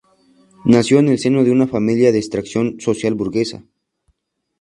Nació en el seno de una familia de extracción social burguesa.